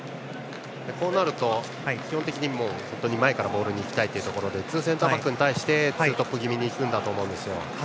こうなると、基本的に前からボールに行きたいところでツーセンターバックに対してツートップ気味にいくんだと思います。